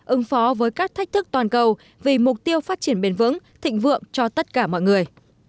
ứng phó với các thách thức toàn cầu vì mục tiêu phát triển bền vững thịnh vượng cho tất cả mọi người